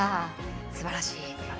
すばらしい。